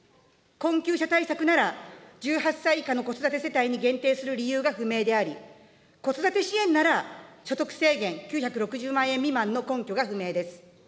困窮者対策なら、１８歳以下の子育て世帯に限定する理由が不明であり、子育て支援なら、所得制限、９６０万円未満の根拠が不明です。